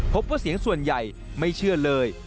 พบว่าเสียงส่วนใหญ่ไม่เชื่อเลย